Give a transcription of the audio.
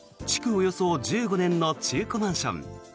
およそ１５年の中古マンション。